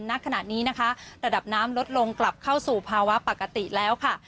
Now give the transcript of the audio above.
ณขณะนี้นะคะระดับน้ำลดลงกลับเข้าสู่ภาวะปกติแล้วค่ะ